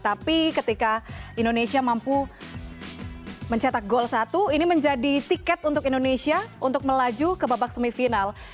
tapi ketika indonesia mampu mencetak gol satu ini menjadi tiket untuk indonesia untuk melaju ke babak semifinal